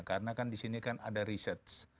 karena kan disini ada research